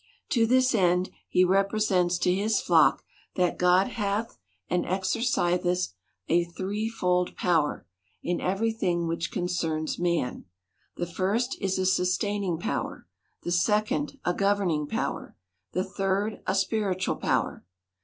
To this end he represents to his flock, that God hath and exerciseth a threefold power, in every thing which con cerns man. The first is a sustaining power ; the second, a governing power ; the third, a spiritual power.